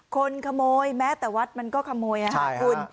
คนขโมยแม้แต่วัดมันก็ขโมยค่ะคุณ